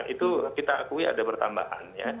itu kita akui ada pertambahan ya